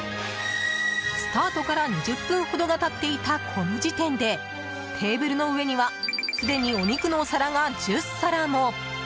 スタートから２０分ほどが経っていた、この時点でテーブルの上にはすでにお肉のお皿が１０皿も。